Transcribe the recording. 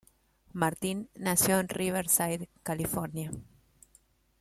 Martin nació en Riverside, California.